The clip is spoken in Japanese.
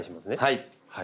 はい。